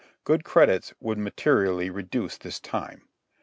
Good credits would materially reduce this time.